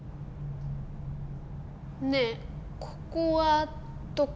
ねえここはどこ？